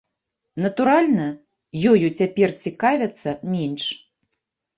Натуральна, ёю цяпер цікавяцца менш.